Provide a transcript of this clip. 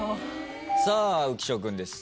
さあ浮所君です。